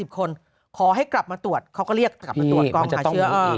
ขอให้กลับมาตรวจเขาก็เรียกกลับมาตรวจกองหาเชื้อ